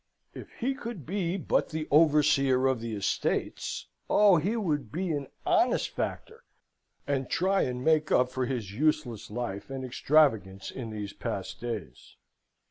If he could be but the overseer of the estates oh, he would be an honest factor, and try and make up for his useless life and extravagance in these past days!